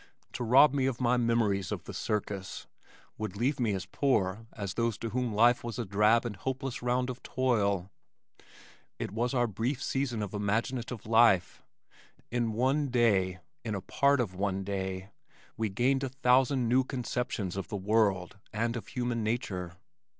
To rob me of my memories of the circus would leave me as poor as those to whom life was a drab and hopeless round of toil. It was our brief season of imaginative life. In one day in a part of one day we gained a thousand new conceptions of the world and of human nature.